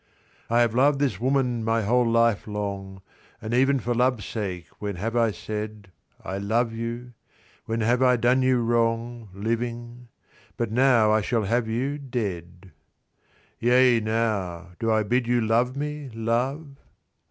"I have loved this woman my whole life long, And even for love's sake when have I said 'I love you'? when have I done you wrong, Living? but now I shall have you dead. "Yea, now, do I bid you love me, love?